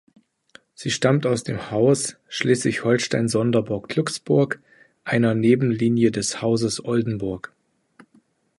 Sie stammt aus dem Haus Schleswig-Holstein-Sonderburg-Glücksburg, einer Nebenlinie des Hauses Oldenburg.